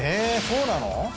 そうなの？